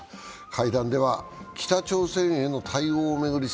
会談では北朝鮮への対応を巡り